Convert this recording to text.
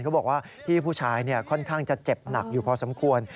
เขาบอกว่าพี่ผู้ชายค่อนข้างจะเจ็บหนักอยู่พอสมควร